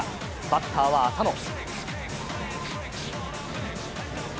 バッターは浅野。